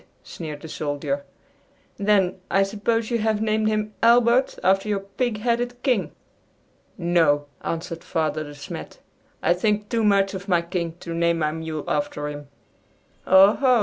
sneered the soldier; "then, I suppose you have named him Albert after your pig headed King!" "No," answered Father De Smet, "I think too much of my King to name my mule after him." "Oh, ho!"